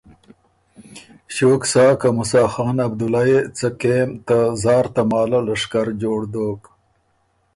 ݭیوک سا که موسیٰ خان عبدُلّئ يې څه کېم ته زار تماله لشکر جوړ دوک